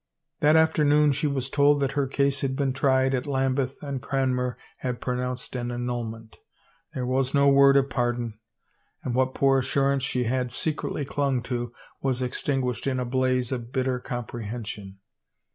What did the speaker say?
That afternoon she was told that her case had been tried at Lambeth and Cranmer had pronounced an annul ment. There was no word of pardon, and what poor assurance she had secretly clung to was extinguished in a blaze of bitter comprehension.